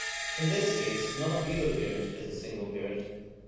In this case none of either parent is a single parent.